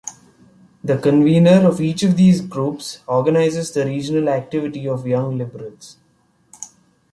The Convenor of each of these groups organises the regional activity of Young Liberals.